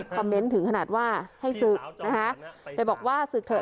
ถึงขนาดว่าให้ศึกนะคะแต่บอกว่าศึกเถอะ